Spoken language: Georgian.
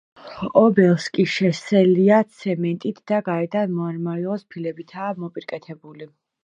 ობელისკი შელესილია ცემენტით და გარედან მარმარილოს ფილებითაა მოპირკეთებული.